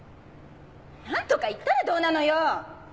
何とか言ったらどうなのよ！